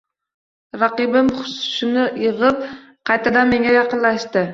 Raqibim hushini yig‘ib, qaytadan menga yaqinlashdi